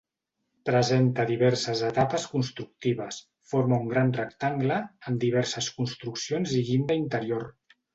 Presenta diverses etapes constructives, forma un gran rectangle, amb diverses construccions i llinda interior.